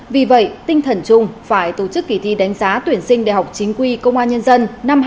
vì vậy tinh thần chung phải tổ chức kỳ thi đánh giá tuyển sinh đại học chính quy công an nhân dân năm hai nghìn hai mươi